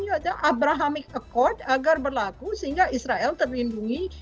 yaitu abrahamic accord agar berlaku sehingga israel terlindungi